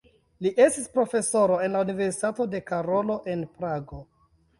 Li estis profesoro en la Universitato de Karolo en Prago.